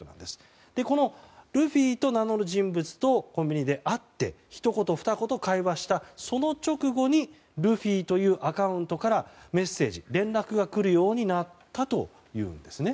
このルフィと名乗る人物とコンビニで会ってひと言ふた言、会話した直後にルフィというアカウントからメッセージ、連絡が来るようになったというんですね。